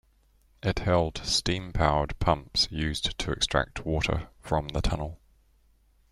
It held steam-powered pumps used to extract water from the tunnel.